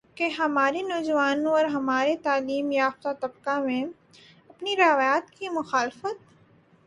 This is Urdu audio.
کہ ہمارے نوجوانوں اور ہمارے تعلیم یافتہ طبقہ میں اپنی روایات کی مخالفت